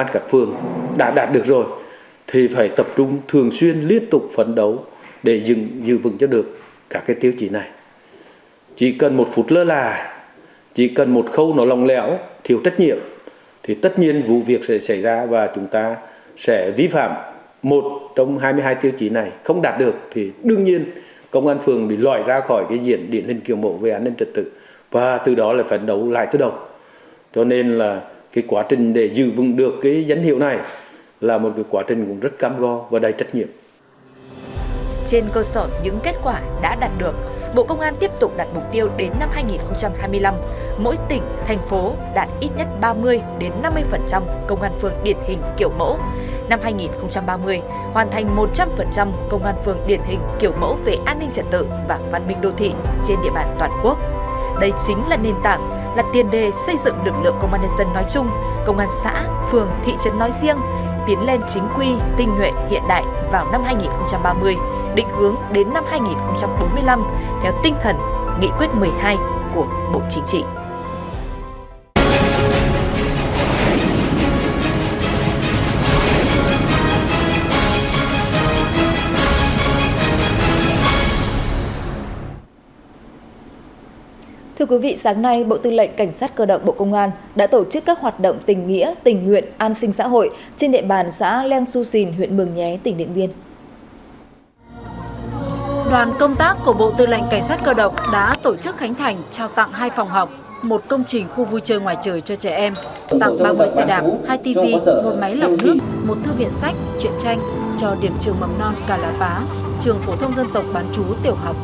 cảnh sát cơ động đã tổ chức khánh thành trao tặng hai phòng học một công trình khu vui chơi ngoài trời cho trẻ em tặng ba mươi xe đạp hai tv một máy lọc nước một thư viện sách chuyện tranh cho điểm trường mầm non cà lá vá trường phổ thông dân tộc bán chú tiểu học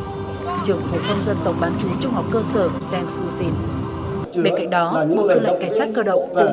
trường phổ thông dân tộc bán chú trung học cơ sở đen xu xìn